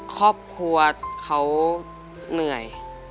ครอบครัวเขาเหนื่อย